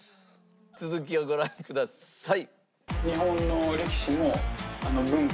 続きをご覧ください。